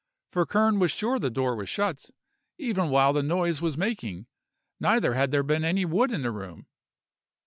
For Kern was sure the door was shut, even while the noise was making; neither had there been any wood in the room.